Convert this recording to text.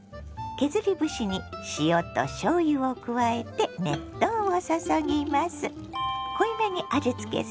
削り節に塩としょうゆを加えて熱湯を注ぎます。